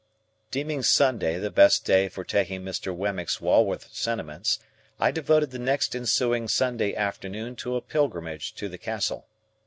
Deeming Sunday the best day for taking Mr. Wemmick's Walworth sentiments, I devoted the next ensuing Sunday afternoon to a pilgrimage to the Castle.